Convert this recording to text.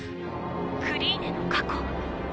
クリーネの過去。